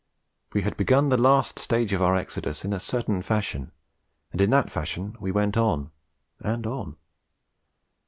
We had begun the last stage of our exodus in a certain fashion; and in that fashion we went on and on.